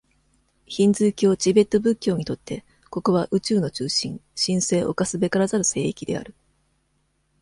ヒンズー教、チベット仏教にとって、ここは、宇宙の中心、神聖侵すべからざる聖域である。